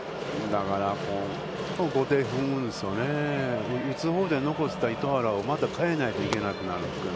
だから、後手を踏むんですよね、打つほうで残した糸原をまた代えないといけなくなる。